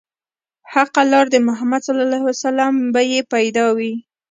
حقه لار د محمد ص به يې پيدا وي